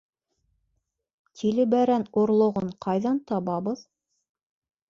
Тилебәрән орлоғон ҡайҙан табабыҙ?